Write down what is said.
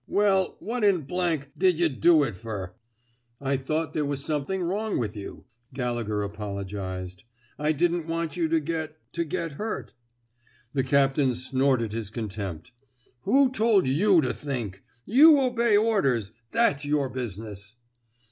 Well, what in — did yuh do it ferf ''I thought there was something wrong with you,'' Gallegher apologized. I didn't want you to get — to get hurt.'' The captain snorted his contempt. Who told you to think! You obey orders — that's your business."